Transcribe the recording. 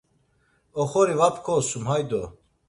Oxori va pkosum hay do!